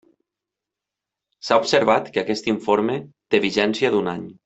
S'ha observat que aquest informe té vigència d'un any.